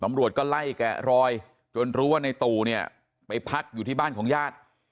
ตำรวจก็ไล่แกะรอยจนรู้ว่าในตู่เนี่ยไปพักอยู่ที่บ้านของญาติ